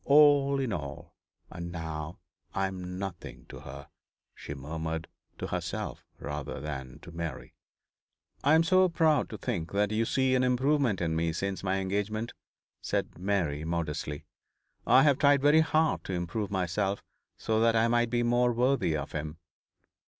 All in all and now I am nothing to her,' she murmured, to herself rather than to Mary. 'I am so proud to think that you see an improvement in me since my engagement,' said Mary, modestly. 'I have tried very hard to improve myself, so that I might be more worthy of him.'